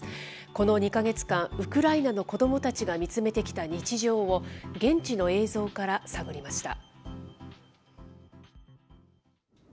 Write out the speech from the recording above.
この２か月間、ウクライナの子どもたちが見つめてきた日常を、現地の映像から探りました。